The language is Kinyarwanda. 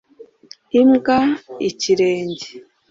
Imbwa ikirenge